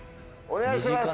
お願いします